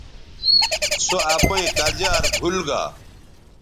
سو اپئیں کزیار بھول گا